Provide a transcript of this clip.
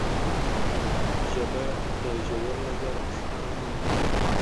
ژبه د ژور نظر ښکارندوی ده